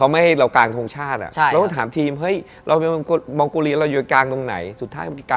มันต้องช่วยกันคิด